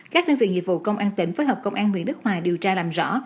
các đơn vị nhiệm vụ công an tỉnh với hợp công an nguyễn đức hòa điều tra làm rõ